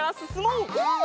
うん！